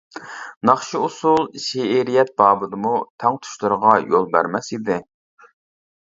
ناخشا-ئۇسۇل، شېئىرىيەت بابىدىمۇ تەڭتۇشلىرىغا يول بەرمەس ئىدى.